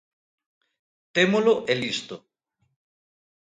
témolo e listo.